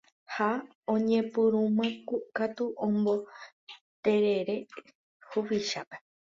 ha oñepyrũmakatu omboterere huvichápe.